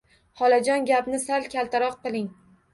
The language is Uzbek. Xolajon, gapni sal kaltaroq qiling.